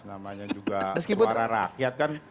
namanya juga para rakyat kan